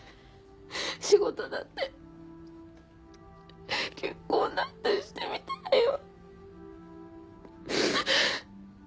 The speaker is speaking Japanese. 仕事だって結婚だってしてみたいよ。